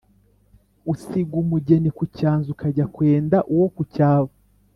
Usiga umugeni ku cyanzu ukajya kwenda uwo ku cyavu.